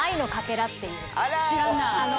知らんな。